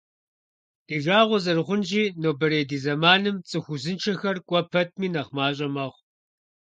Ди жагъуэ зэрыхъунщи, нобэрей ди зэманым цӀыху узыншэхэр кӀуэ пэтми нэхъ мащӀэ мэхъу.